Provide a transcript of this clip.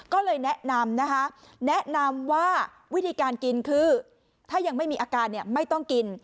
ก็เลยแนะนำว่าวิธีการกินคือถ้ายังไม่มีอาการไม่ต้องกิน